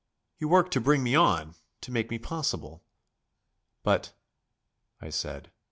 You work to bring me on to make me possible." "But " I said.